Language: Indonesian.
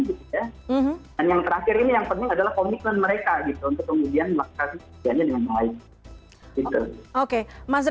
dan yang terakhir ini yang penting adalah komitmen mereka untuk kemudian melakukan pekerjaannya dengan yang lain